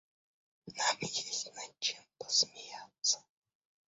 Нам есть над чем посмеяться!